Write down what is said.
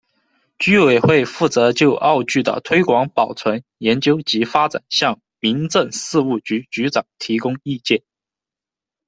委员会负责就粤剧的推广、保存、研究及发展向民政事务局局长提供意见。